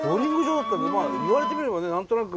言われてみればね何となく。